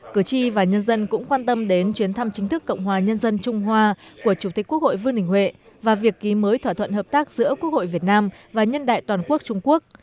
cử tri và nhân dân cũng quan tâm đến chuyến thăm chính thức cộng hòa nhân dân trung hoa của chủ tịch quốc hội vương đình huệ và việc ký mới thỏa thuận hợp tác giữa quốc hội việt nam và nhân đại toàn quốc trung quốc